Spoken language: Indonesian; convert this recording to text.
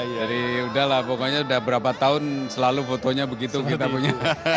jadi udah lah pokoknya udah berapa tahun selalu fotonya begitu kita punya